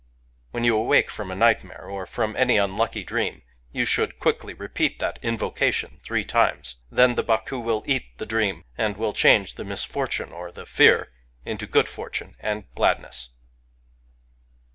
... When you awake from a nightmare, or from any unlucky dream, you should quickly repeat that invocation three rimes; — then the Baku will eat the dream, and will change the misfortune or the fear into good fortune and gladness.